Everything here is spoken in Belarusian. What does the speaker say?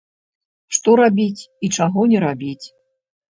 Што рабіць і чаго не рабіць.